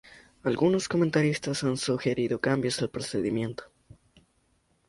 Algunos comentaristas han sugerido cambios al procedimiento.